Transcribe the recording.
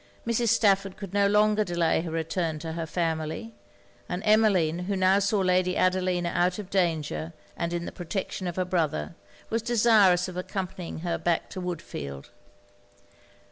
Mrs. Stafford could no longer delay her return to her family; and Emmeline, who now saw Lady Adelina out of danger and in the protection of her brother, was desirous of accompanying her back to Woodfield.